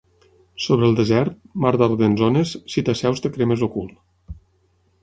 Sobre el desert, mar d'ardents ones, si t'asseus et cremes el cul.